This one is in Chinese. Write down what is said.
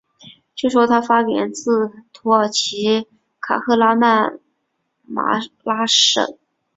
据说它发源自土耳其的卡赫拉曼马拉什。